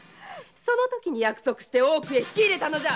そのときに約束して大奥へ引き入れたのじゃ！